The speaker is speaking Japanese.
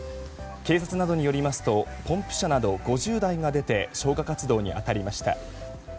警察などによりますとポンプ車など５０台が出て消火活動に当たりました。